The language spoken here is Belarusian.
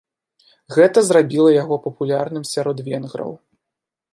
Гэта зрабіла яго папулярным сярод венграў.